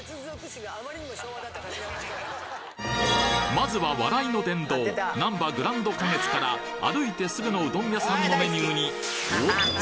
まずは笑いの殿堂なんばグランド花月から歩いてすぐのうどん屋さんのメニューにおっと！